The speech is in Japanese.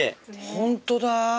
ホントだ。